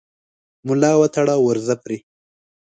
ملا وتړه او ورځه پرې